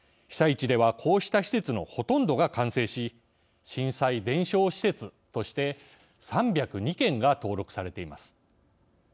被災地では、こうした施設のほとんどが完成し震災伝承施設として３０２件が登録されています。